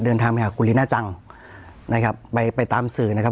เดินทางไปหาคุณลีน่าจังนะครับไปไปตามสื่อนะครับ